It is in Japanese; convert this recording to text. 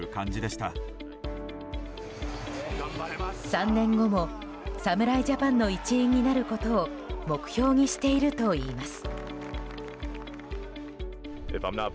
３年後も侍ジャパンの一員になることを目標にしているといいます。